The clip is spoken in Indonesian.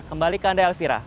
kembali ke anda elvira